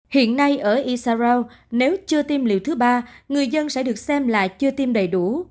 hiện nay ở isao nếu chưa tiêm liều thứ ba người dân sẽ được xem là chưa tiêm đầy đủ